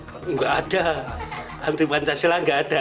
tidak ada anti pancasila nggak ada